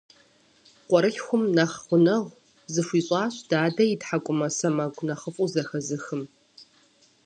Къуэрылъхум нэхъ гъунэгъу зыхуищӀащ дадэ и тхьэкӀумэ сэмэгу нэхъыфӀу зэхэзыхым.